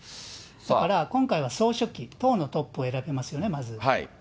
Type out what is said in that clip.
だから今回は総書記、党のトップを選びますよね、まず。